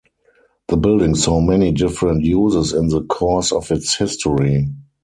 The building saw many different uses in the course of its history.